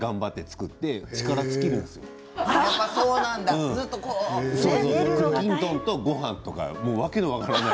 くりきんとんと、ごはんとかもう訳の分からない。